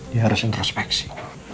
dia harus introspeksi